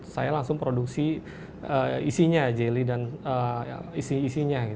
saya langsung produksi isinya jelly dan isi isinya